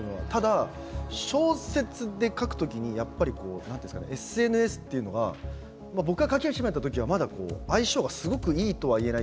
ただ小説で書く時にやっぱりＳＮＳというのが僕が書き始めた時は、まだ相性がすごくいいとは言えない。